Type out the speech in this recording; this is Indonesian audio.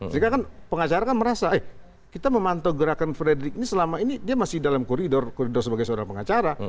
jadi kan pengacara merasa eh kita memantau gerakan frederick ini selama ini dia masih dalam koridor sebagai seorang pengacara